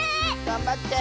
がんばって！